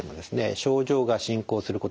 症状が進行することがあります。